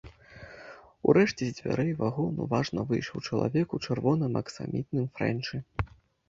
Урэшце з дзвярэй вагону важна выйшаў чалавек у чырвоным аксамітным фрэнчы.